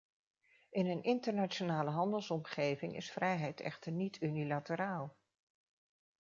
In een internationale handelsomgeving is vrijheid echter niet unilateraal.